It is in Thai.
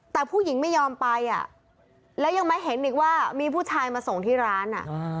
แต่ผู้หญิงไม่ยอมไปแล้วยังมาเห็นอีกว่ามีผู้ชายมาส่งที่ร้าน